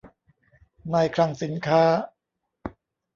นายคลังสินค้า